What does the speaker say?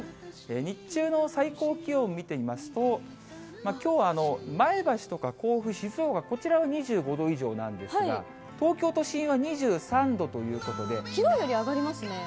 日中の最高気温見てみますと、きょう、前橋とか甲府、静岡、こちらは２５度以上なんですが、きのうより上がりますね。